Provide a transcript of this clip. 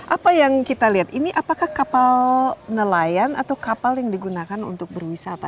apa yang kita lihat ini apakah kapal nelayan atau kapal yang digunakan untuk berwisata